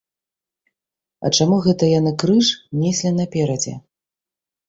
А чаму гэта яны крыж неслі наперадзе?